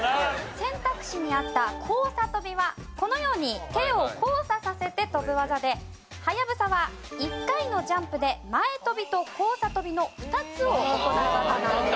選択肢にあった交差跳びはこのように手を交差させて跳ぶ技ではやぶさは１回のジャンプで前跳びと交差跳びの２つを行う技なんです。